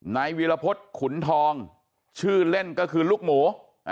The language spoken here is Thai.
นายวีรพฤษขุนทองชื่อเล่นก็คือลูกหมู